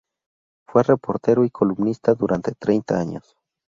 Fue reportero y columnista durante treinta años.